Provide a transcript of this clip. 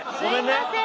すいませんね。